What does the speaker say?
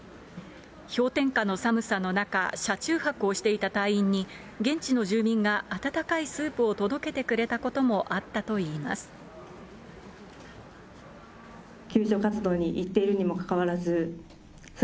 氷点下の寒さの中、車中泊をしていた隊員に、現地の住民が温かいスープを届けてくれたこともあったといいます。